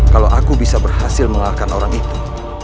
kalau aku bisa berhasil mengalahkan orang itu